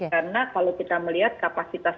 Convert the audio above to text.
karena kalau kita melihat kapasitas